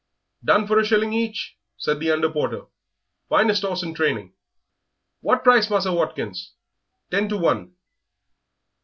"Done for a shilling each," said the under porter; "finest 'orse in training.... What price, Musser Watkins?" "Ten to one."